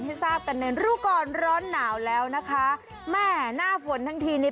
ให้ทราบกันในรู้ก่อนร้อนหนาวแล้วนะคะแม่หน้าฝนทั้งทีนี้